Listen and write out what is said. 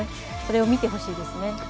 それを見てほしいです。